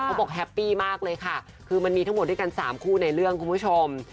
แฮปปี้มากเลยค่ะคือมันมีทั้งหมดด้วยกัน๓คู่ในเรื่องคุณผู้ชม